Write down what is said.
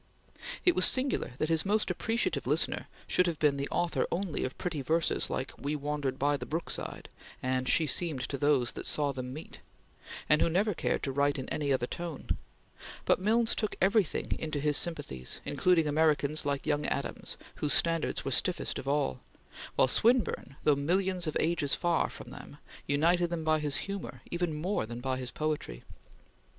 It was singular that his most appreciative listener should have been the author only of pretty verses like "We wandered by the brook side," and "She seemed to those that saw them meet"; and who never cared to write in any other tone; but Milnes took everything into his sympathies, including Americans like young Adams whose standards were stiffest of all, while Swinburne, though millions of ages far from them, united them by his humor even more than by his poetry.